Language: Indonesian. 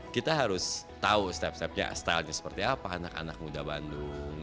kita harus tahu step stepnya stylenya seperti apa anak anak muda bandung